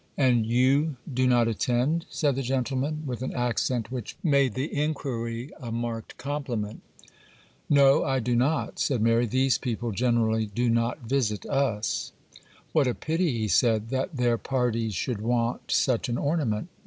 'And you do not attend?' said the gentleman, with an accent which made the inquiry a marked compliment. 'No, I do not,' said Mary; 'these people generally do not visit us.' 'What a pity,' he said, 'that their parties should want such an ornament!